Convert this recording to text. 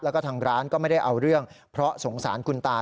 แล้วก็ทางร้านก็ไม่ได้เอาเรื่องเพราะสงสารคุณตา